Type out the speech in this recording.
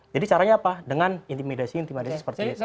caranya apa dengan intimidasi intimidasi seperti itu